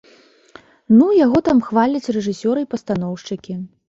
Ну, яго там хваляць рэжысёры і пастаноўшчыкі.